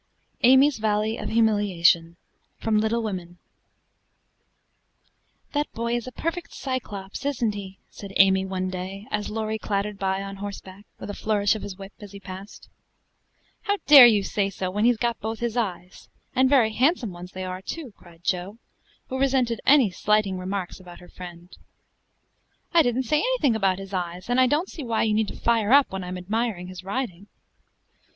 AMY'S VALLEY OF HUMILIATION From 'Little Women' "That boy is a perfect Cyclops, isn't he?" said Amy one day, as Laurie clattered by on horseback, with a flourish of his whip as he passed. "How dare you say so, when he's got both his eyes? and very handsome ones they are, too," cried Jo, who resented any slighting remarks about her friend. "I didn't say anything about his eyes; and I don't see why you need fire up when I admire his riding."